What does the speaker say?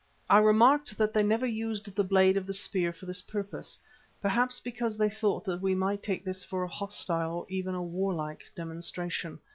I remarked that they never used the blade of the spear for this purpose, perhaps because they thought that we might take this for a hostile or even a warlike demonstration.